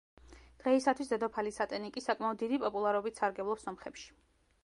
დღეისათვის დედოფალი სატენიკი საკმაოდ დიდი პოპულარობით სარგებლობს სომხებში.